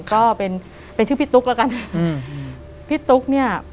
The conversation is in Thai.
ก็เป็นเป็นชื่อพี่ตุ๊กแล้วกันอืมพี่ตุ๊กเนี่ย